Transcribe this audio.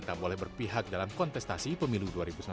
tak boleh berpihak dalam kontestasi pemilu dua ribu sembilan belas